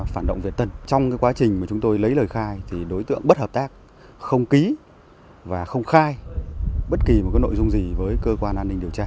phản động việt tân trong quá trình mà chúng tôi lấy lời khai thì đối tượng bất hợp tác không ký và không khai bất kỳ một nội dung gì với cơ quan an ninh điều tra